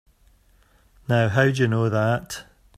Now how'd you know that?